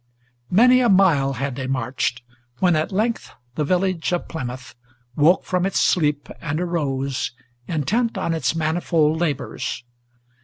Many a mile had they marched, when at length the village of Plymouth Woke from its sleep, and arose, intent on its manifold labors.